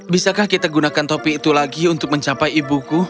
bisakah kita gunakan topi itu lagi untuk mencapai ibuku